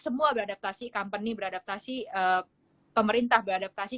semua beradaptasi company beradaptasi pemerintah beradaptasi